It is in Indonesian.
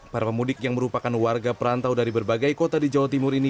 para pemudik yang merupakan warga perantau dari berbagai kota di jawa timur ini